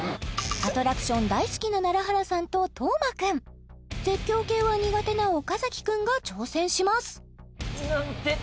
アトラクション大好きな楢原さんと當間くん絶叫系は苦手な岡くんが挑戦します